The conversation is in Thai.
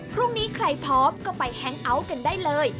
พรุ่งนี้ใครพร้อมก็ไปแฮงเอาท์กันได้เลย